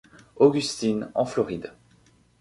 Augustine, en Floride.